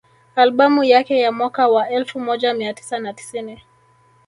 Albamu yake ya mwaka wa elfu moja mia tisa na tisini